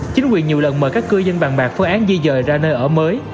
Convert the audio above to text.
chính quyền nhiều lần mời các cư dân bàn bạc phương án di dời ra nơi ở mới